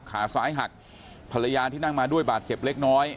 ขาซ้ายหักภรรยาที่นั่งมาด้วยบาดเจ็บเล็กน้อย